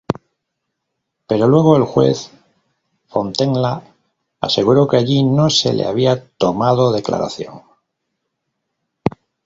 Pero luego, el juez Fontenla aseguró que allí no se le había tomado declaración.